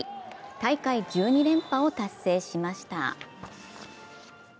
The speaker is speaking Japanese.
大会１２連覇を達成しました。